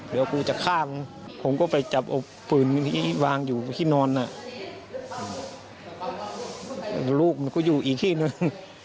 ลูกมันก็อยู่อีกที่นึง